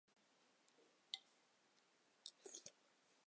授山西平遥县知县。